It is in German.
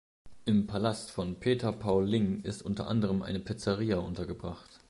Im „Palast“ von Peter Paul Lingg ist unter anderem eine Pizzeria untergebracht.